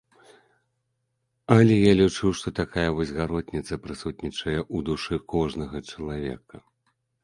Але я лічу, што такая вось гаротніца прысутнічае ў душы кожнага чалавека.